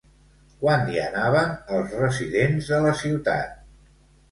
Quan hi anaven els residents de la ciutat?